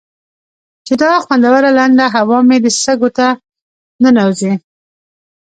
چې دا خوندوره لنده هوا مې د سږو تل ته ننوځي.